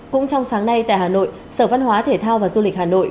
cũng trong sáng nay tại hà nội sở văn hóa thể thao và du lịch hà nội